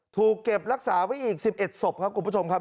ถูกเก็บรักษาไว้อีก๑๑ศพครับคุณผู้ชมครับ